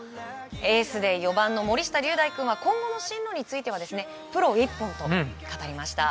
エースで４番の森下瑠大君は今後の進路についてはプロ一本と語りました。